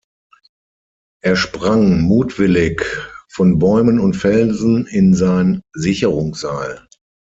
Er sprang mutwillig von Bäumen und Felsen in sein Sicherungsseil.